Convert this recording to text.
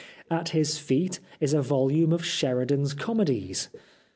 At his feet is a volume of Sheridan's comedies.